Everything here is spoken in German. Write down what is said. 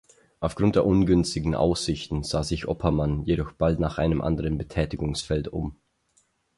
Aufgrund der ungünstigen Aussichten sah sich Oppermann jedoch bald nach einem anderen Betätigungsfeld um.